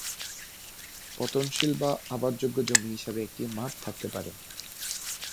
পতনশীল বা আবাদযোগ্য জমি হিসাবে একটি মাঠ থাকতে পারে।